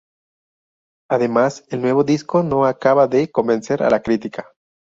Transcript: Además, el nuevo disco no acaba de convencer a la crítica.